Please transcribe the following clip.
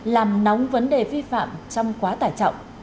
làm nóng vấn đề vi phạm trong quá tải trọng